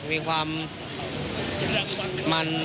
มีความมัน